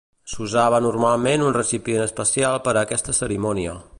S'usava normalment un recipient especial per a aquesta cerimònia.